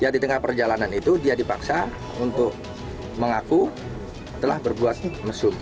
di tengah perjalanan itu dia dipaksa untuk mengaku telah berbuat mesum